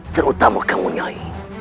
terutama kamu nyai